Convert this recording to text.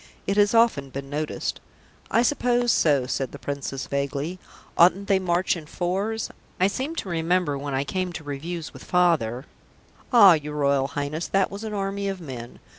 "It has often been noticed." "I suppose so," said the Princess vaguely. "Oughtn't they to march in fours? I seem to remember, when I came to reviews with Father " "Ah, your Royal Highness, that was an army of men.